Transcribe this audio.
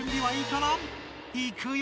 いくよ！